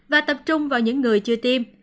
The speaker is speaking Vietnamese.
và tập trung vào những người chưa tiêm